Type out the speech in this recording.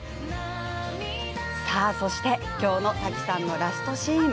さあ、そして今日のタキさんのラストシーン。